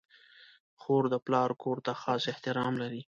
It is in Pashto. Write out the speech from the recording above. خور د پلار کور ته خاص احترام لري.